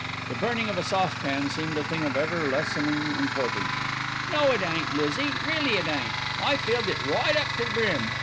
The burning of a saucepan seemed a thing of ever lessening importance. "No, it ain't, Lizzie, reelly it ain't. I filled it right up to the brim.